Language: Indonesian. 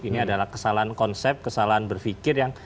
ini adalah kesalahan konsep kesalahan berpikir yang